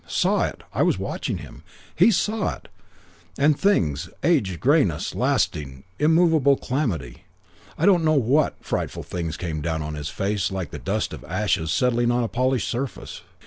Saw it! I was watching him. He saw it; and things age, greyness, lasting and immovable calamity I don't know what frightful things came down on his face like the dust of ashes settling on a polished surface.